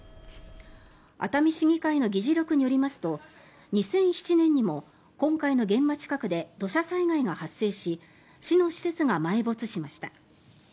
熱海市議会の議事録によりますと２００７年にも今回の現場付近で土砂災害が発生し市の施設が埋没しました。